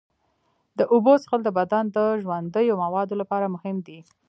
د اوبو څښل د بدن د ژوندیو موادو لپاره مهم دي.